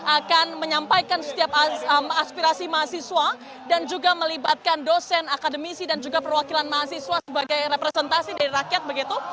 akan menyampaikan setiap aspirasi mahasiswa dan juga melibatkan dosen akademisi dan juga perwakilan mahasiswa sebagai representasi dari rakyat begitu